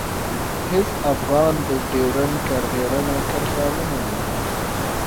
هېڅ افغان د ډیورنډ کرغېړنه کرښه نه مني.